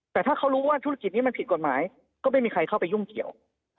แต่ถ้าเขารู้ว่าธุรกิจนี้มันผิดกฎหมายก็ไม่มีใครเข้าไปยุ่งเกี่ยว